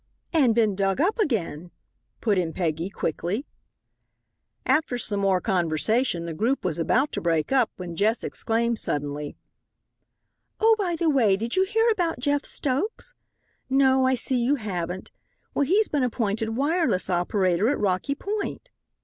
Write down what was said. "And been dug up again," put in Peggy, quickly. After some more conversation the group was about to break up, when Jess exclaimed suddenly: "Oh, by the way, did you hear about Jeff Stokes? No, I see you haven't. Well, he's been appointed wireless operator at Rocky Point."